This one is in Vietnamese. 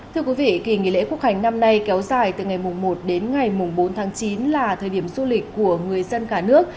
thưa quý vị kỳ nghỉ lễ quốc hành năm nay kéo dài từ ngày một đến ngày bốn tháng chín là thời điểm du lịch của người dân cả nước